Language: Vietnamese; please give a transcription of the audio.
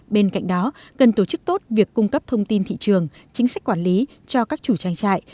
bên cạnh đó cần tổ chức tốt việc cung cấp thông tin thị trường chính sách quản lý cho các chủ trang trại